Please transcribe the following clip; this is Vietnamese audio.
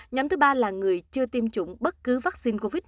nhóm thứ ba là người chưa tiêm chủng bất cứ vaccine covid một mươi chín nào